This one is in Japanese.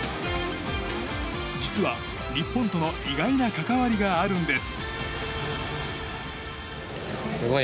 実は、日本との意外な関わりがあるんです。